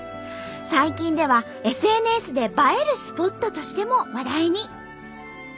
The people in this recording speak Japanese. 最近ではＳＮＳで映えるスポットとしても話題に！